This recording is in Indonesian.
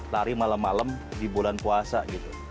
lari malam malam di bulan puasa gitu